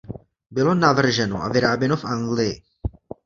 Bylo navrženo a vyráběno v Anglii.